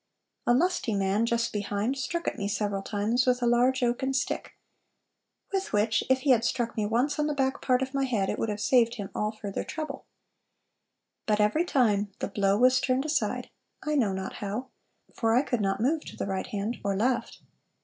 A lusty man just behind, struck at me several times, with a large oaken stick; with which if he had struck me once on the back part of my head, it would have saved him all further trouble. But every time the blow was turned aside, I know not how; for I could not move to the right hand or left....